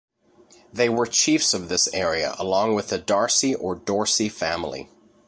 They were chiefs of this area along with the Darcy or Dorcey family.